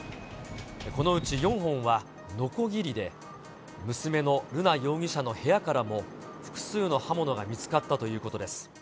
このうち４本はのこぎりで、娘の瑠奈容疑者の部屋からも複数の刃物が見つかったということです。